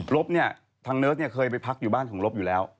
ลบเนี่ยทางเนิร์ดเนี่ยเคยไปพักอยู่บ้านของลบอยู่แล้ว